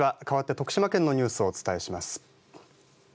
かわって徳島県のニュースをお伝えします。